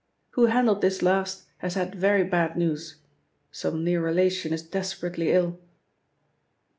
"Who handled this last has had very bad news some near relation is desperately ill."